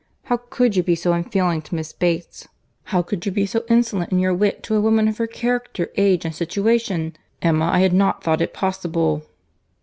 How could you be so unfeeling to Miss Bates? How could you be so insolent in your wit to a woman of her character, age, and situation?—Emma, I had not thought it possible."